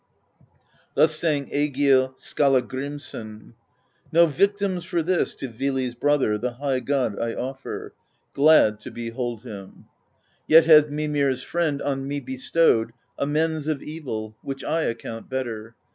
Thus sang Egill Skallagrimsson: No victims for this To Vili's brother, The High God, I ofFer, Glad to behold him; THE POESY OF SKALDS loi Yet has Mimir's friend On me bestowed Amends of evil Which I account better.